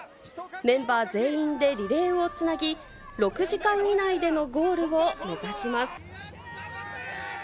メンバー全員でリレーをつなぎ、６時間以内でのゴールを目指します。